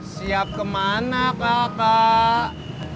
siap kemana kakak